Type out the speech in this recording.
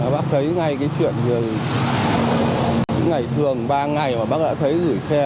bác thấy ngay cái chuyện những ngày thường ba ngày mà bác đã thấy gửi xe